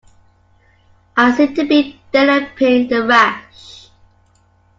I seem to be developing a rash.